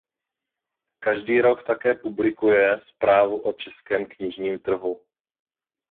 Každý rok také publikuje Zprávu o českém knižním trhu.